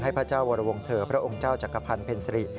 ให้พระเจ้าวัลวงเถอพระองค์เจ้าจังคภัณฑ์เพนสรี